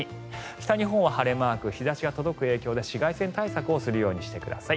北日本は晴れマーク日差しが届く影響で紫外線対策をするようにしてください。